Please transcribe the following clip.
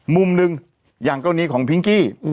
มุมหนึ่งอย่างกรณีของพิงกี้